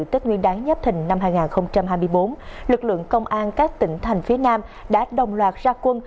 tết nguyên đáng nhấp thình năm hai nghìn hai mươi bốn lực lượng công an các tỉnh thành phía nam đã đồng loạt ra quân